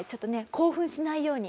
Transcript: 興奮しないように？